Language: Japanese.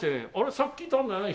さっきいたんだよね